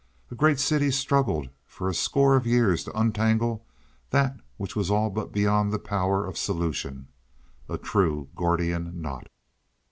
A great city struggled for a score of years to untangle that which was all but beyond the power of solution—a true Gordian knot.